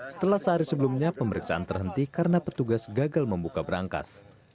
setelah sehari sebelumnya pemeriksaan terhenti karena petugas gagal membuka berangkas